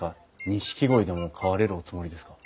ニシキゴイでも飼われるおつもりですか？